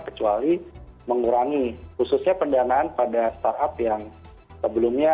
kecuali mengurangi khususnya pendanaan pada startup yang sebelumnya